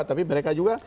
tapi mereka juga